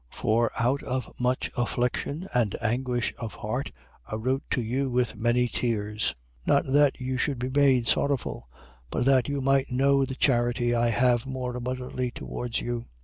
2:4. For out of much affliction and anguish of heart, I wrote to you with many tears: not that you should be made sorrowful: but that you might know the charity I have more abundantly towards you.